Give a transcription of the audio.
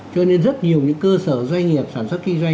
cho nên rất nhiều những cơ sở doanh nghiệp sản xuất kinh doanh